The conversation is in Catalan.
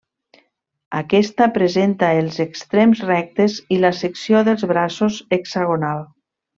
Aquesta presenta els extrems rectes i la secció dels braços hexagonal.